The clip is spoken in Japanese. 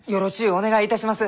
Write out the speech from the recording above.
お願いいたします！